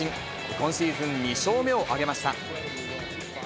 今シーズン２勝目を挙げました。